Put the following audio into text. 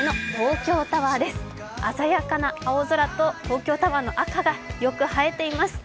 鮮やかな青空と東京タワーの赤がよく映えています。